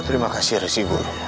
terima kasih rasul guru